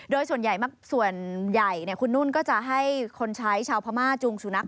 โดยส่วนใหญ่คุณนุ่นก็จะให้คนใช้ชาวพม่าจูงสุนัข